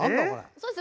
そうです。